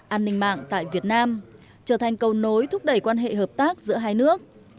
an ninh mạng tại việt nam trở thành cầu nối thúc đẩy quan hệ hợp tác giữa hai nước